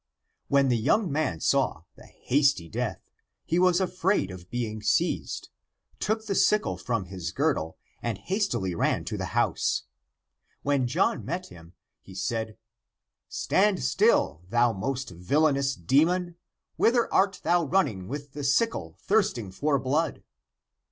When the young man saw the hasty death, he was afraid of being seized, took the sickle from his girdle, and hastily ran to the house. When John met him, he said, '* Stand still, thou most vil lainous demon ! Whither art thou running with the sickle thirsting for blood